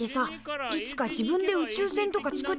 いつか自分で宇宙船とかつくっちゃうの？